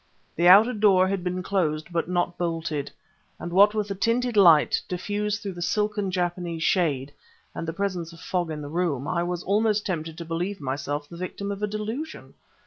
The outer door had been closed but not bolted, and what with the tinted light, diffused through the silken Japanese shade, and the presence of fog in the room, I was almost tempted to believe myself the victim of a delusion.